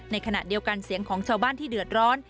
ในขณะเดียวกันเสียงของชาวบ้านที่เดือดร้อน